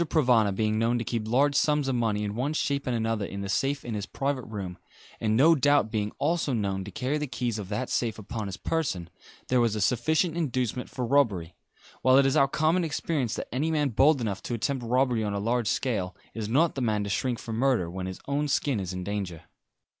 Provana being known to keep large sums of money in one shape and another in the safe in his private room, and no doubt being also known to carry the keys of that safe upon his person, there was a sufficient inducement for robbery; while it is our common experience that any man bold enough to attempt robbery on a large scale is not the man to shrink from murder, when his own skin is in danger.